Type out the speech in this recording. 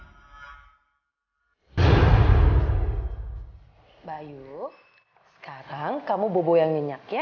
bayu bayu sekarang kamu bobo yang minyak ya